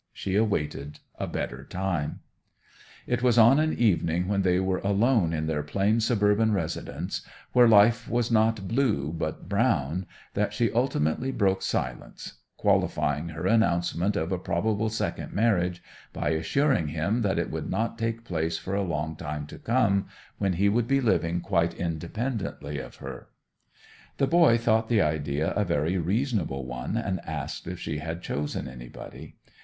She awaited a better time. It was on an evening when they were alone in their plain suburban residence, where life was not blue but brown, that she ultimately broke silence, qualifying her announcement of a probable second marriage by assuring him that it would not take place for a long time to come, when he would be living quite independently of her. The boy thought the idea a very reasonable one, and asked if she had chosen anybody?